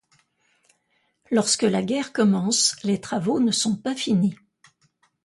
Lorsque la guerre commence, les travaux ne sont pas finis.